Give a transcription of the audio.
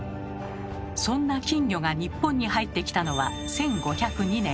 そんな金魚が日本に入ってきたのは１５０２年。